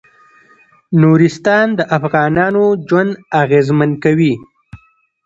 نورستان د افغانانو ژوند اغېزمن کوي.